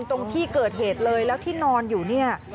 ตรงที่เกิดเหตุเลยแล้วที่นอนอยู่เนี่ย